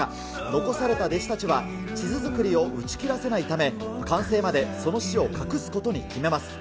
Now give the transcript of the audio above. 残された弟子たちは、地図作りを打ち切らせないため、完成までその死を隠すことに決めます。